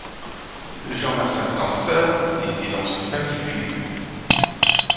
Jan Marcin Szancer est né dans une famille juive.